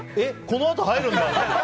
このあと入るんだって。